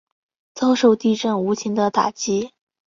遭受地震无情的打击